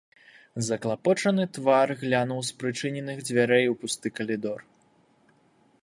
Заклапочаны твар глянуў з прычыненых дзвярэй у пусты калідор.